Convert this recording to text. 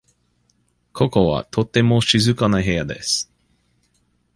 ここはとても静かな部屋です。